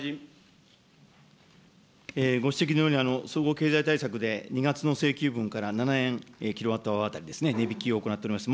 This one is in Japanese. ご指摘のように、総合経済対策で２月の請求分から７円キロワットアワー当たりですね、値引きを行っております。